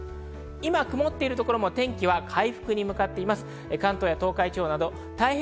今、曇ってるところも天気は回復に向かっています。